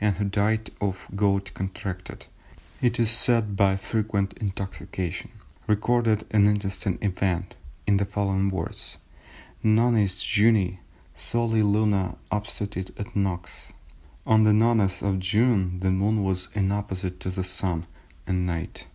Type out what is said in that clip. and who died of gout contracted, it is said, by frequent intoxication, recorded an interesting event in the following words:—Nonis Junii soli luna obstetit et nox, "On the Nones of June the Moon was in opposition to the Sun and night."